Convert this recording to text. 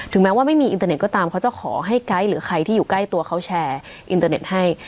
แม้ว่าไม่มีอินเตอร์เน็ตก็ตามเขาจะขอให้ไกด์หรือใครที่อยู่ใกล้ตัวเขาแชร์อินเตอร์เน็ตให้